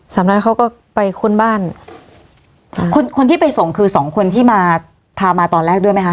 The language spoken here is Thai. นั้นเขาก็ไปค้นบ้านค่ะคนคนที่ไปส่งคือสองคนที่มาพามาตอนแรกด้วยไหมคะ